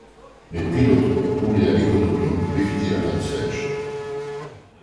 Les pilotes ont roulé à l'économie pour éviter la panne sèche.